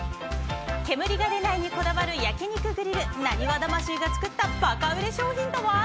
煙が出ないにこだわる焼肉グリル浪速魂が作ったバカ売れ商品とは。